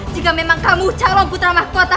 jika memang kamu calon putra mahkota